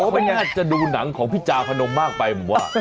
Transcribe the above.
ไม่งั้นจะดูหนังของพี่จาพนมมากไปผมว่า